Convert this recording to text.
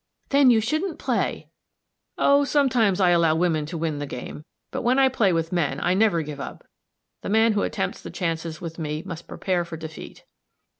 "Then you shouldn't play!" "Oh, sometimes I allow women to win the game; but when I play with men, I never give up. The man who attempts the chances with me must prepare for defeat."